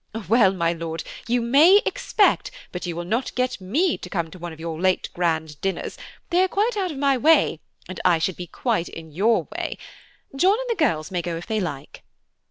"Well, my Lord, you may expect, but you will not get me to come to one of your grand late dinners; they are quite out of my way, and I should be quite in your way; John and the girls may go if they like."